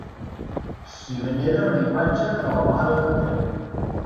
S'hi venera una imatge de la Mare de Déu.